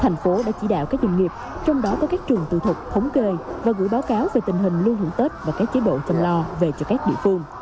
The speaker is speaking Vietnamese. thành phố đã chỉ đạo các doanh nghiệp trong đó có các trường tư thục thống kê và gửi báo cáo về tình hình lưu hữu tết và các chế độ chăm lo về cho các địa phương